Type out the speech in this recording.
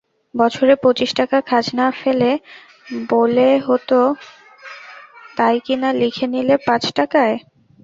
বছরে পচিশ টাকা খাজনা ফেলে-বোলে হোত, তাই কিনা লিখে নিলে পাঁচ টাকায়!